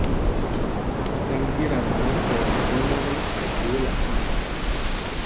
Sǎŋg ɗí ta nwɔŋ ɛkɔɔ nɛ mbwán ɔ́kɛ, ɛ ɓyōōla sǎŋg.